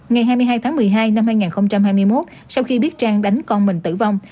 ngày hai mươi hai tháng một mươi hai năm hai nghìn hai mươi một sau khi biết trang đánh con mình tử vong